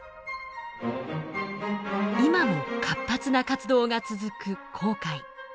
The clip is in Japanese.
今も活発な活動が続く紅海。